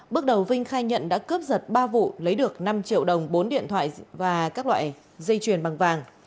bước đầu vinh khai nhận đã cướp giật ba vụ lấy được năm triệu đồng bốn điện thoại và các loại dây chuyền bằng vàng